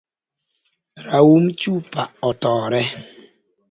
Raum chupa otore.